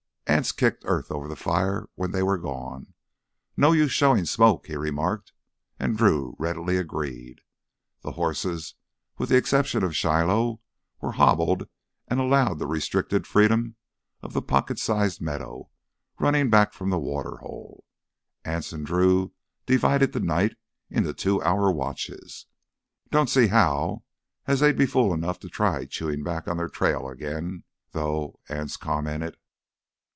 Anse kicked earth over the fire when they were gone. "No use showin' smoke," he remarked, and Drew readily agreed. The horses, with the exception of Shiloh, were hobbled and allowed the restricted freedom of the pocket sized meadow running back from the water hole. Anse and Drew divided the night into two hour watches. "Don't see as how they'd be fool enough to try chewin' back on their trail again, though," Anse commented.